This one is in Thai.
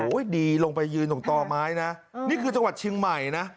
ดีลงไปยืนตรงต่อไม้นะนี่คือจังหวัดเชียงใหม่นะ